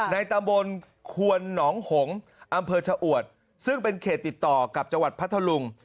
ในตำบลควนหนองหงอำเภอชะอวดซึ่งเป็นเขตติดต่อกับจังหวัดพัทธลุง